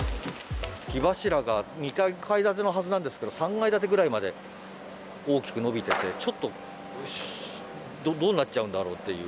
火柱が２階建てのはずなんですけど、３階建てぐらいまで大きく延びてて、ちょっとどうなっちゃうんだろうっていう。